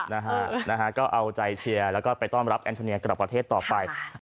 นะฮะนะฮะก็เอาใจเชียร์แล้วก็ไปต้อนรับแอนโทเนียกลับประเทศต่อไป